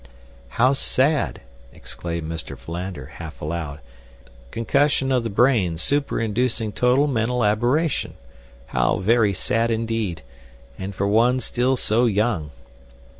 "How sad!" exclaimed Mr. Philander, half aloud. "Concussion of the brain, superinducing total mental aberration. How very sad indeed! and for one still so young!"